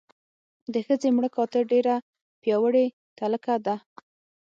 د ښځې مړه کاته ډېره پیاوړې تلکه ده.